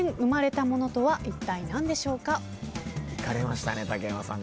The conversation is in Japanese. いかれましたね竹山さんこれ。